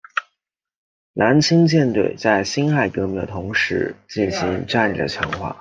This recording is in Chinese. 南清舰队在辛亥革命的同时进行战力的强化。